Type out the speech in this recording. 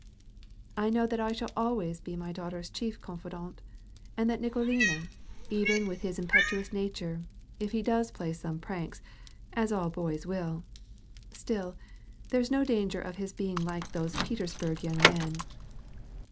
'* I know that I shall always be my daughter's chief confidente, and that Nikolinka, even, ^vith his impetuous nature, if he does play some pranks, as all boys will, still, there's no danger of his being like those Petersburg young men